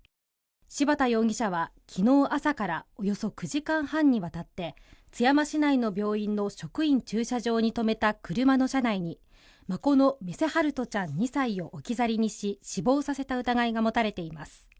柴田容疑者は昨日朝からおよそ９時間半にわたって津山市内の病院の職員駐車場に止めた車の車内に孫の目瀬陽翔ちゃん２歳を置き去りにし死亡させた疑いが持たれています。